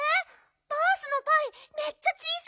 バースのパイめっちゃ小さい。